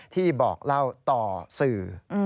ที่บอกเล่าต่อสื่อ